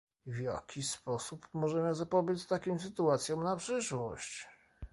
W jaki sposób możemy zapobiec takim sytuacjom na przyszłość?